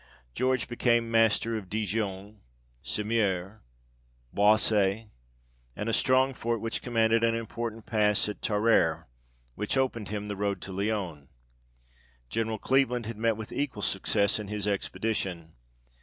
George became master of Digoin, Semeur, Boissy, and a strong fort which commanded an important pass at Tarare, which opened to him the road to Lyons. General Cleveland had met with equal success in his expedi tion.